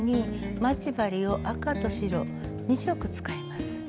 待ち針を赤と白２色使います。